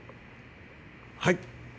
はい。